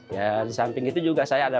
ya di samping itu juga saya ada